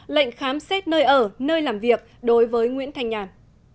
lệnh khám xét nơi ở nơi làm việc đối với nguyễn thanh nhàn